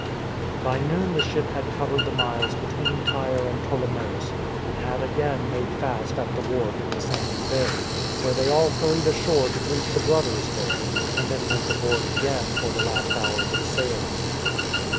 By noon the ship had covered the miles between Tyre and Ptolemais and had again made fast at the wharf in the sandy bay, where they all hurried ashore to greet the Brothers there, and then went aboard again for the last hours of sailing.